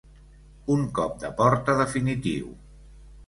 Un cop de porta definitiu.